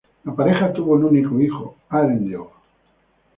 La pareja tuvo un único hijo, Eärendil.